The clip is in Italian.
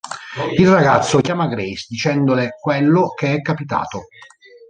Il ragazzo chiama Grace, dicendole quello che è capitato.